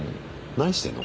何してんの？